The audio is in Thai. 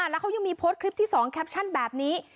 แล้วเขายังมีโพสต์คลิปที่๒แคปชั่นแบบนี้